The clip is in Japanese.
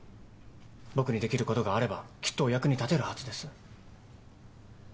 僕にできることがあればきっとお役に立てるはずです。